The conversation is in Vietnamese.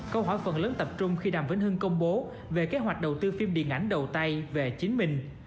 câu hỏi phần lớn tập trung khi đàm vĩnh hưng công bố về kế hoạch đầu tư phim điện ảnh đầu tay về chính mình